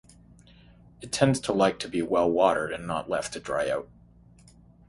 It tends to like to be well watered and not left to dry out.